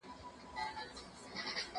ما جوړ كړي په قلاوو كي غارونه